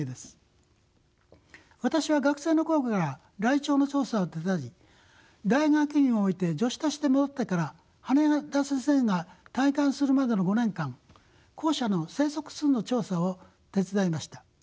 私は学生の頃からライチョウの調査を手伝い大学院を終えて助手として戻ってから羽田先生が退官するまでの５年間後者の生息数の調査を手伝いました。